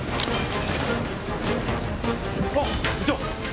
あっ部長！